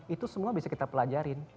itu semua bisa kita pelajarin